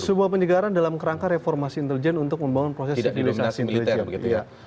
sebuah penyegaran dalam kerangka reformasi intelijen untuk membangun proses sivilisasi intelijen